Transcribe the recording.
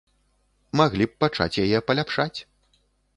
Маглі б пачаць яе паляпшаць.